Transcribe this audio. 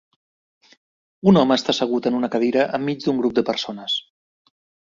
Un home està assegut en una cadira enmig d'un grup de persones.